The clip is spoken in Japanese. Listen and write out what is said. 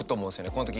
この時。